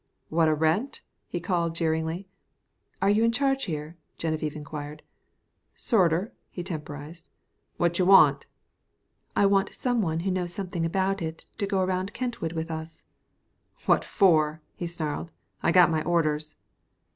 "Wanta rent?" he called jëeringly. "Are you in charge here?" Geneviève inquired. "Sorter," he temporized. "Watcha want?" "I want some one who knows something about it to go around Kentwood with us." "What for?" he snarled. "I got my orders."